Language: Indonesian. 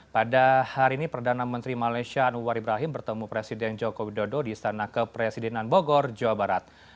pada hari ini perdana menteri malaysia anwar ibrahim bertemu presiden joko widodo di istana kepresidenan bogor jawa barat